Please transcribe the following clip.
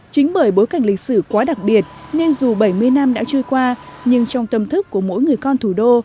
chính bởi bối cảnh lịch sử quá đặc biệt nên dù bảy mươi năm đã trôi qua nhưng trong tâm thức của mỗi người con thủ đô